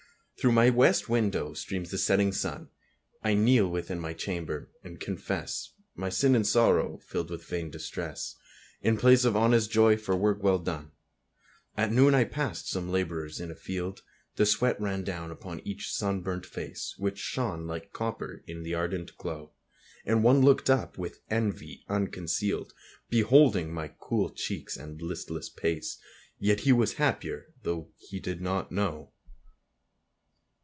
Through my west window streams the setting sun. I kneel within my chamber, and confess My sin and sorrow, filled with vain distress, In place of honest joy for work well done. At noon I passed some labourers in a field. The sweat ran down upon each sunburnt face, Which shone like copper in the ardent glow. And one looked up, with envy unconcealed, Beholding my cool cheeks and listless pace, Yet he was happier, though he did not know.